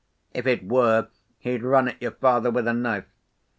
If it were, he'd run at your father with a knife.